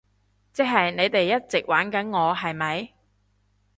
即係你哋一直玩緊我，係咪？